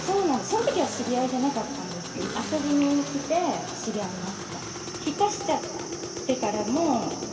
その時は知り合いじゃなかったんですけどで遊びに来てた。